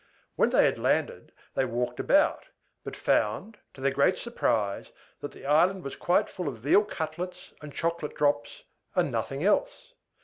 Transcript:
When they had landed, they walked about, but found, to their great surprise, that the island was quite full of veal cutlets and chocolate drops, and nothing else.